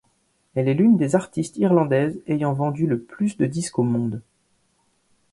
Elle est l'une des artistes irlandaises ayant vendu le plus de disques au monde.